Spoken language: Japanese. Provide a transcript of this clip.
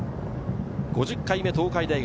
５０回目、東海大学。